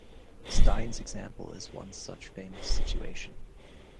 Stein's example is one such famous situation.